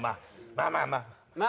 「まあまあまあ」って。